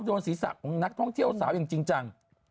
โดนศีรษะของนักท่องเที่ยวสาวอย่างจริงจัง